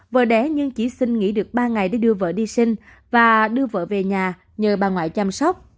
vợ đẻ nhưng chỉ xin nghỉ được ba ngày để đưa vợ đi sinh và đưa vợ về nhà nhờ bà ngoại chăm sóc